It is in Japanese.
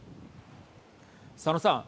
佐野さん。